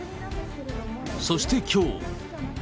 そしてきょう。